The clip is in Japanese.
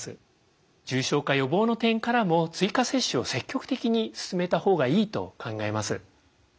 重症化予防の点からも追加接種を積極的に進めた方がいいと考えます。